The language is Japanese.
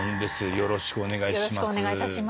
よろしくお願いします。